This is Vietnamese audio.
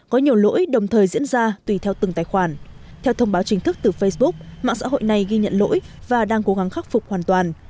có nhiều lỗi đồng thời diễn ra tùy theo từng tài khoản theo thông báo chính thức từ facebook mạng xã hội này ghi nhận lỗi và đang cố gắng khắc phục hoàn toàn